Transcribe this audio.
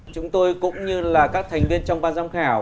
chúng tôi cũng như là các thành viên trong ban giám khảo